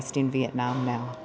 đang ở việt nam